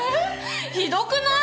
ひどくない？